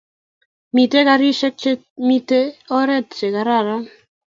Miten karishek che miten oret che kararan